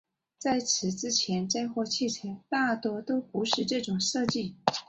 在此之前载货汽车大多都不是这种设计。